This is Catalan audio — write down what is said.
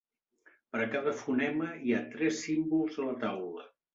Per a cada fonema hi ha tres símbols a la taula.